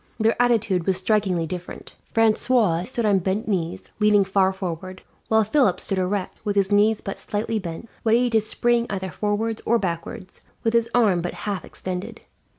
Their attitude was strikingly different. Francois stood on bent knees, leaning far forward; while Philip stood erect, with his knees but slightly bent, ready to spring either forwards or backwards, with his arm but half extended.